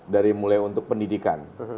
dari mulai untuk pendidikan